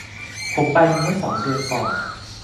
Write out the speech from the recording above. ผมไปมาเมื่อสองเดือนก่อน